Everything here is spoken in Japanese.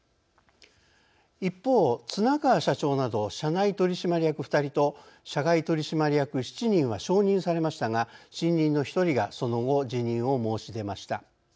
一方、綱川社長など社内取締役２人と社外取締役７人は承認されましたが新任の１人がその後辞任を申し出ました。